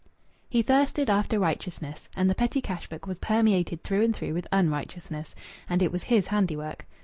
He thirsted after righteousness, and the petty cash book was permeated through and through with unrighteousness; and it was his handiwork.